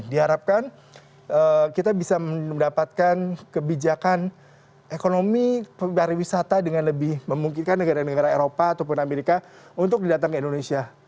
diharapkan kita bisa mendapatkan kebijakan ekonomi pariwisata dengan lebih memungkinkan negara negara eropa ataupun amerika untuk datang ke indonesia